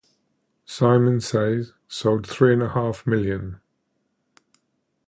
"Simon Says" sold three and a half million.